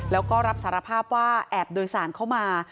แล้วก็รับสารภาพว่าแอบโดยสารเข้ามา